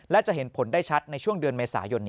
และจะเห็นผลได้ชัดในช่วงเดือนเมษายน